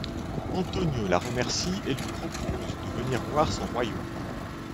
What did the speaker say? Antonio la remercie et lui propose de venir voir son royaume.